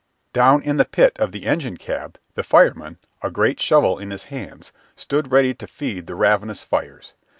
Down in the pit of the engine cab the fireman, a great shovel in his hands, stood ready to feed the ravenous fires.